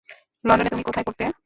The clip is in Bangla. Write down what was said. লন্ডনে তুমি কোথায় পড়তে?